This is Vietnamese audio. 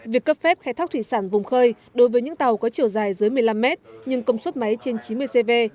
việc cấp phép khai thác thủy sản vùng khơi đối với những tàu có chiều dài dưới một mươi năm mét nhưng công suất máy trên chín mươi cv